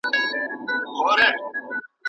ځکه نو